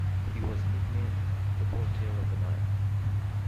He was nicknamed "The Voltaire of the Nile".